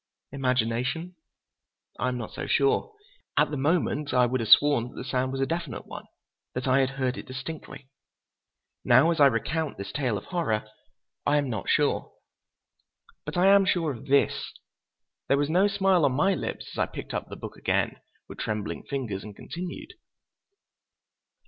Imagination? I am not sure. At the moment, I would have sworn that the sound was a definite one, that I had heard it distinctly. Now, as I recount this tale of horror, I am not sure. But I am sure of this: There was no smile on my lips as I picked up the book again with trembling fingers and continued.